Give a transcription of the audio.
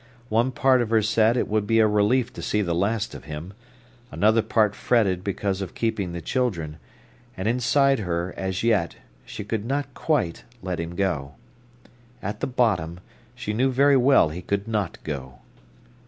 One part of her said it would be a relief to see the last of him; another part fretted because of keeping the children; and inside her, as yet, she could not quite let him go. At the bottom, she knew very well he could not go.